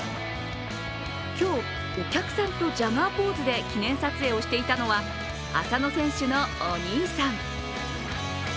今日、お客さんとジャガーポーズで記念撮影をしていたのは浅野選手のお兄さん。